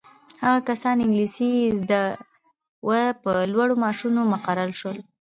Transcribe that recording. هغه کسان انګلیسي یې زده وه په لوړو معاشونو مقرر شول.